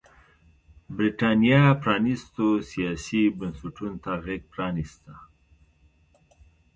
برېټانیا پرانيستو سیاسي بنسټونو ته غېږ پرانېسته.